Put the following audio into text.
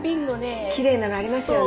きれいなのありますよね。